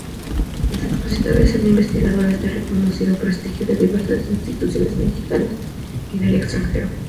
Los expositores son investigadores de reconocido prestigio de diversas instituciones mexicanas y del extranjero.